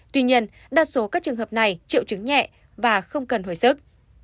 tuy nhiên đa số các trường hợp này triệu chứng nhẹ và không cần hồi sức